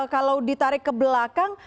kalau ditarik ke belakang